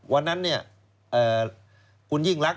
วันนั้นคุณยิ่งรัก